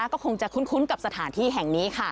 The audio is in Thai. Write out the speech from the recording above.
ก็คงจะคุ้นกับสถานที่แห่งนี้